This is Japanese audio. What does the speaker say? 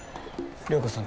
涼子さん